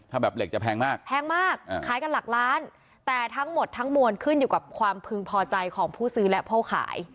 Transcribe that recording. ถ้าแบบเหล็กจะแพงมากแพงมากขายกันหลักล้านแต่ทั้งหมดทั้งมวลขึ้นอยู่กับความพึงพอใจของผู้ซื้อและพ่อขาย